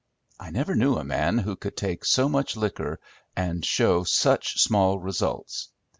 I never knew a man who could take so much liquor and show such small results.